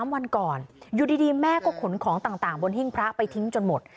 ๓วันก่อนอยู่ดีแม่ก็ขนของต่างบนหิ้งพระไปทิ้งจนหมด